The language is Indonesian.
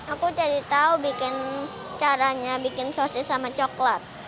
aku cari tahu bikin caranya bikin sosis sama coklat